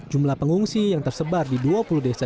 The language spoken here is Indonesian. jumlah pengungsi yang tersebar di dua puluh desa